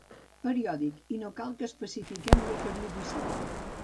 Periòdic, i no cal que n'especifiquem la periodicitat.